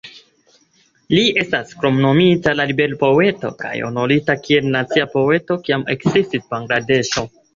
Li estis kromnomita la "ribel-poeto", kaj honorita kiel "nacia poeto" kiam ekestis Bangladeŝo.